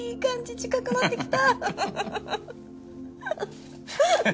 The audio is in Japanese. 近くなってきた！